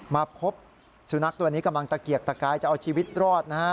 มาพบสุนัขตัวนี้กำลังตะเกียกตะกายจะเอาชีวิตรอดนะฮะ